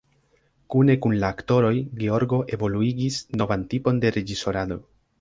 Kune kun la aktoroj Georgo evoluigis novan tipon de reĝisorado.